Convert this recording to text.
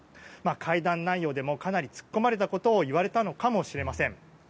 会談内容でもかなり突っ込まれたことを言われたのかもしれません。